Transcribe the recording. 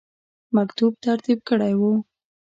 مکتوب ترتیب کړی وو.